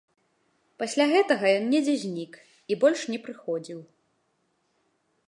Пасля гэтага ён недзе знік і больш не прыходзіў.